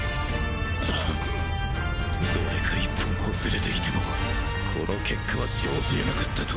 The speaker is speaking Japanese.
ごふっどれか１本ほつれていてもこの結果は生じ得なかったと！